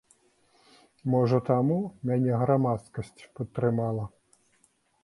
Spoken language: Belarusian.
Можа, таму мяне грамадскасць падтрымала.